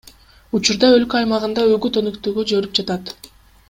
Учурда өлкө аймагында үгүт өнөктүгү жүрүп жатат.